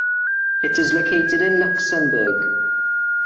It is located in Luxembourg.